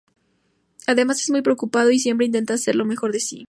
Además es muy preocupado, y siempre intentara hacer lo mejor de si.